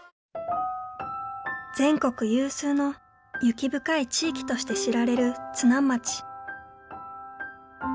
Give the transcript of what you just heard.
全国有数の雪深い地域として知られる津南町。